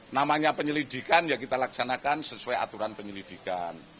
namanya penyelidikan ya kita laksanakan sesuai aturan penyelidikan